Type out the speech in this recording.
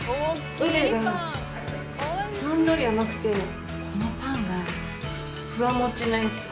ウベが、ほんのり甘くてこのパンが、ふわもちなやつ。